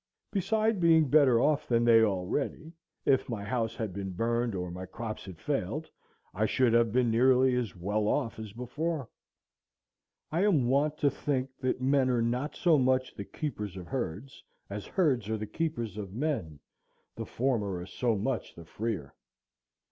Beside being better off than they already, if my house had been burned or my crops had failed, I should have been nearly as well off as before. I am wont to think that men are not so much the keepers of herds as herds are the keepers of men, the former are so much the freer.